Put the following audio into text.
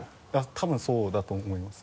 多分そうだと思います。